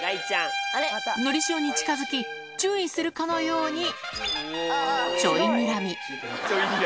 のりしおに近づき、注意するかのように、ちょいにらみ。